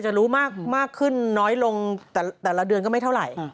รู้มากขึ้นน้อยลงแต่ละเดือนก็ไม่เท่าไหร่